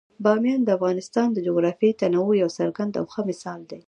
بامیان د افغانستان د جغرافیوي تنوع یو څرګند او ښه مثال دی.